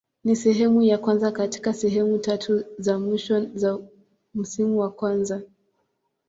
Ni sehemu ya kwanza katika sehemu tatu za mwisho za msimu wa kwanza.